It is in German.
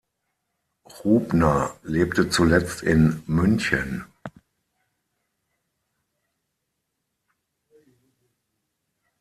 Rubner lebte zuletzt in München.